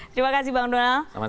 terima kasih bang donald